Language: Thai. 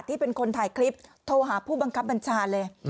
ที่เป็นคนถ่ายคลิปโทรหาผู้บังคับบัญชาเลย